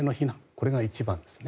これが一番ですね。